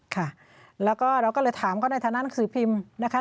ค่ะแล้วก็เราก็เลยถามเขาในฐานะหนังสือพิมพ์นะคะ